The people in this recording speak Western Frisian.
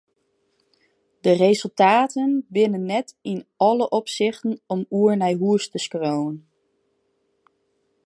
De resultaten binne net yn alle opsichten om oer nei hús te skriuwen.